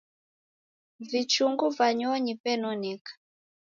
Vichungu va nyonyi venoneka.